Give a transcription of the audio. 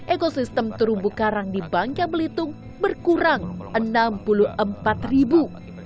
ekosistem terumbu karang di bangka belitung berkurang enam puluh empat ribu